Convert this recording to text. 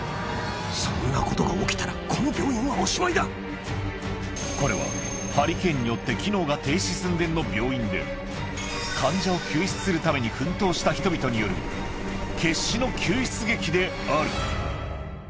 そんなことが起きたら、これはハリケーンによって機能が停止寸前の病院で、患者を救出するために奮闘した人々による、決死の救出劇である。